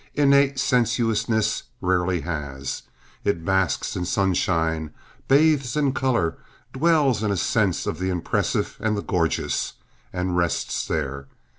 Innate sensuousness rarely has. It basks in sunshine, bathes in color, dwells in a sense of the impressive and the gorgeous, and rests there.